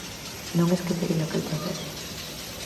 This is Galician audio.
Non esquecerei aquel proceso.